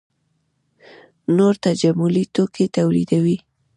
نور تجملي توکي تولیدوي.